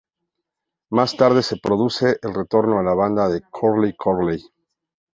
Más tarde se produce el retorno a la banda de Curly Curley.